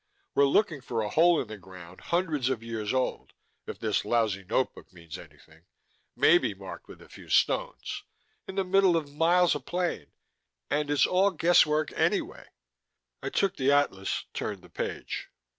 We're looking for a hole in the ground, hundreds of years old if this lousy notebook means anything maybe marked with a few stones in the middle of miles of plain. And it's all guesswork anyway...." I took the atlas, turned the page.